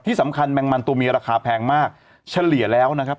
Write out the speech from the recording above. ที่สำคัญแม่มันตัวเมียราคาแพงมากเฉลี่ยแล้วนะครับ